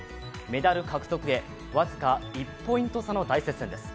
メダル獲得へ僅か１ポイント差の大接戦です。